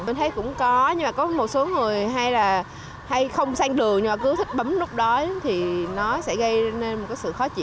mình thấy cũng có nhưng mà có một số người hay là hay không sang đường nhưng mà cứ thích bấm nút đó thì nó sẽ gây nên một sự khó khăn